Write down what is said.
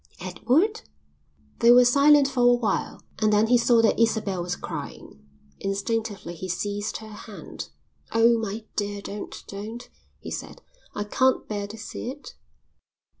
"Edward?" They were silent for a while, and then he saw that Isabel was crying. Instinctively he seized her hand. "Oh, my dear, don't, don't," he said. "I can't bear to see it."